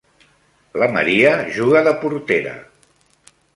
La Maria juga de portera.